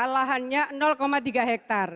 lahannya tiga hektar